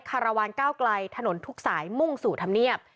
คารวาลก้าวไกลถนนทุกสายมุ่งสู่ธรรมเนียบ